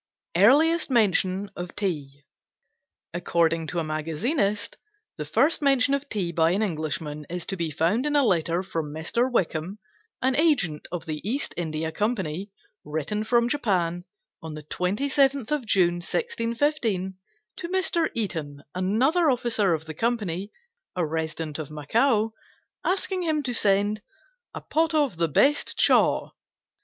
EARLIEST MENTION OF TEA According to a magazinist, the first mention of tea by an Englishman is to be found in a letter from Mr. Wickham, an agent of the East India Company, written from Japan, on the 27th of June, 1615, to Mr. Eaton, another officer of the company, a resident of Macao, asking him to send "a pot of the best chaw."